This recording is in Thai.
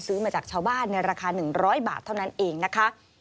ซื้อมาจากชาวบ้านเนี่ยราคาหนึ่งร้อยบาทเท่านั้นเองนะคะ